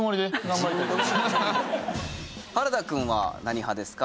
原田くんは何派ですか？